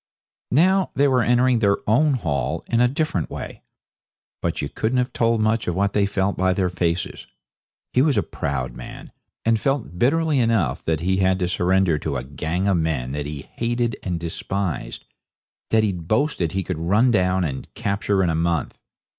Now they were entering their own hall in a different way. But you couldn't have told much of what they felt by their faces. He was a proud man, and felt bitterly enough that he had to surrender to a gang of men that he hated and despised, that he'd boasted he could run down and capture in a month.